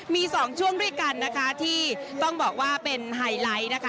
มีสองช่วงด้วยกันนะคะที่ต้องบอกว่าเป็นไฮไลท์นะคะ